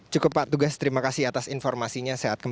cukup pak tugas terima kasih atas informasinya